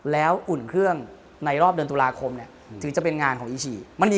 แล้วอุ่นเครื่องในรอบเดือนตุลาคมถึงจะเป็นงานของอีชิ